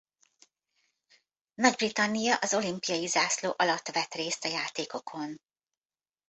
Nagy-Britannia az olimpiai zászló alatt vett részt a játékokon.